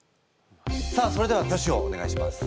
さあそれでは挙手をお願いします。